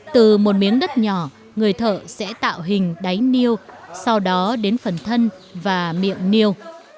từ một miếng đất nhỏ người thợ sẽ tạo hình đáy neo sau đó đến phần thân và miệng niêu